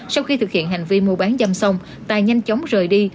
sau khi thực hiện hành vi mua bán dâm xong tài nhanh chóng rời đi